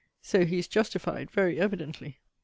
So he is justified very evidently.